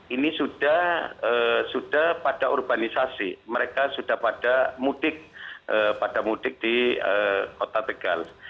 ini sudah pada urbanisasi mereka sudah pada mudik di kota tegal